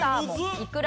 いくら